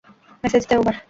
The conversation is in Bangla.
মেসেজ দে, ওভার!